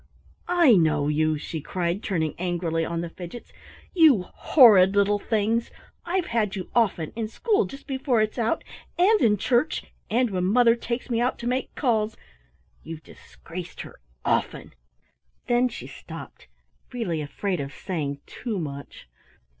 "I know you," she cried, turning angrily on the Fidgets, "you horrid little things! I've had you often, in school just before it's out, and in church, and when mother takes me out to make calls you've disgraced her often " Then she stopped, really afraid of saying too much.